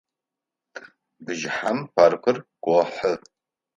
Бжыхьэм паркыр гохьы.